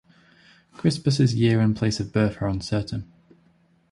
Crispus' year and place of birth are uncertain.